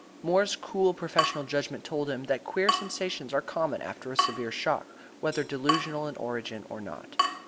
Moore's cool professional judgment told him that queer sensations are common after a severe shock, whether delusional in origin or not.